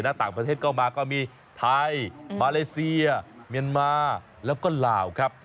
ต่างประเทศก็มาก็มีไทยมาเลเซียเมียนมาแล้วก็ลาวครับ